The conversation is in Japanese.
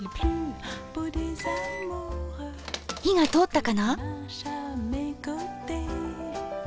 火が通ったかな？